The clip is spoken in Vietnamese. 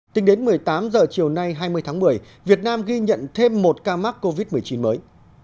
tính đến một mươi tám h chiều nay hai mươi tháng một mươi việt nam ghi nhận thêm một ca mắc covid một mươi chín mới